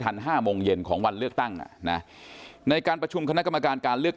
ห้าโมงเย็นของวันเลือกตั้งอ่ะนะในการประชุมคณะกรรมการการเลือก